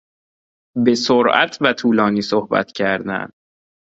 به سرعت و طولانی صحبت کردن